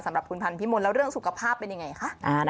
สำหรับคุณพันธิมนต์แล้วเรื่องสุขภาพเป็นยังไงคะ